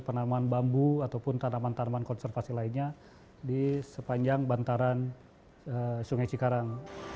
penanaman bambu ataupun tanaman tanaman konservasi lainnya di sepanjang bantaran sungai cikarang